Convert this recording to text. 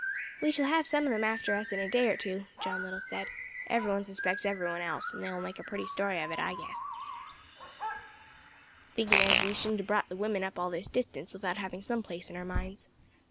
"We shall have some of them after us in a day or two," John Little said; "every one suspects every one else; and they will make a pretty story of it, I guess, thinking as we shouldn't have brought the women up all this distance without having some place in our minds."